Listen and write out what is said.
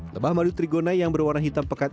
lebah madu trigona yang berwarna hitam pekat